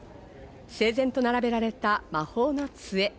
整然と並べられた魔法の杖。